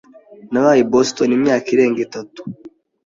Nabaye i Boston imyaka irenga itatu.